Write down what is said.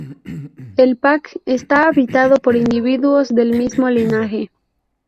El pac está habitado por individuos del mismo linaje.